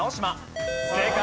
正解。